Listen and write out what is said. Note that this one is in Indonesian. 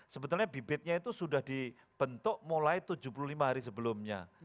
sebetulnya bibitnya itu sudah dibentuk mulai tujuh puluh lima hari sebelumnya